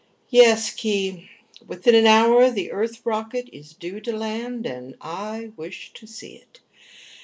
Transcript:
"Yes, Khee. Within an hour the Earth rocket is due to land, and I wish to see it.